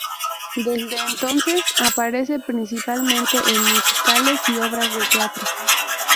Desde entonces aparece principalmente en musicales y obras de teatro.